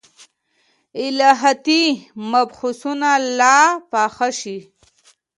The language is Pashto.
الهیاتي مبحثونه لا پاخه شي.